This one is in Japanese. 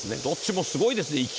どっちもすごいですね。